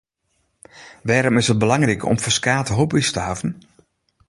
Wêrom is it belangryk om ferskate hobby’s te hawwen?